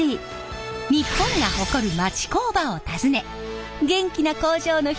日本が誇る町工場を訪ね元気な工場の秘密を探る